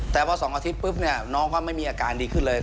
แต่พอ๒อาทิตย์ปุ๊บเนี่ยน้องเขาไม่มีอาการดีขึ้นเลย